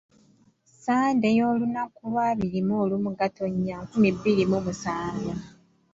Ssande y’olunaku lwa abiri mu lumu Gatonnya, nkumi bbiri mu musanvu.